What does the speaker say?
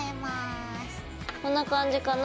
こんな感じかな？